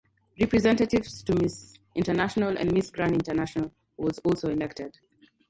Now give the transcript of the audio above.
Representatives to Miss International and Miss Grand International was also elected.